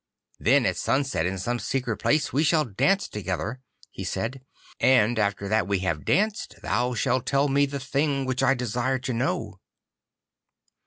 'Then at sunset in some secret place we shall dance together,' he said, 'and after that we have danced thou shalt tell me the thing which I desire to know.